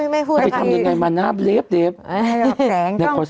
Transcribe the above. ไม่พูดแบบอีกไปทำยังไงมานะเรฟเดฟ